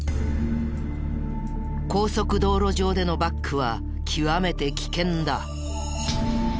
高速道路上でのバックは極めて危険だ。